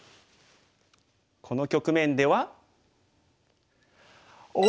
この局面では。